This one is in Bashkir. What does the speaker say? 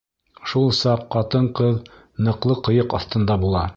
Шул саҡ ҡатын-ҡыҙ ныҡлы ҡыйыҡ аҫтында була.